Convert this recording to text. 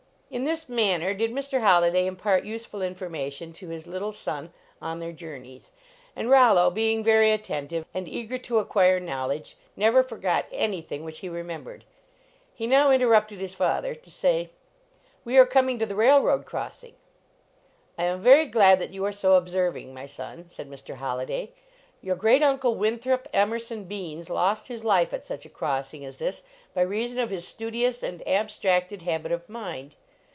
In this manner did Mr. Holliday impart useful information to his little son on their journeys. And Rollo being very attentive, and eager to acquire knowledge, never forgot any 86 LEARNING TO TRAVEL thing which lie remembered. He now inter rupted his father to snv : We are coming to the railroad crossing. I am very glad that you are so observ ing, my son," said Mr. Holliday. "Your great uncle, Winthrop Emerson Beenes, lost his life at such a crossing as this by reason of his studious and abstracted habit of mind.